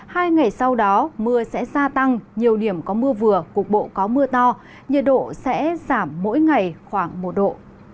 hai ngày sau đó mưa sẽ gia tăng nhiều điểm có mưa vừa cục bộ có mưa to nhiệt độ sẽ giảm mỗi ngày khoảng một độ